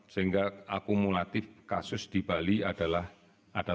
sehingga akumulatif kasus di bali adalah ada enam belas